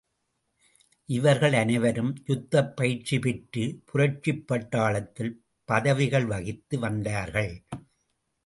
இவர்கள் அனைவரும் யுத்தப் பயிற்சி பெற்று, புரட்சிப் பட்டாளத்தில் பதவிகள் வகித்து வந்தார்கள்.